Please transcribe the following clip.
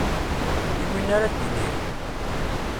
I wana ara d-iniɣ?